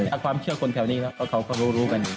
ถ้าความเชื่อคนแถวนี้เนี่ยเขาก็รู้กันนี่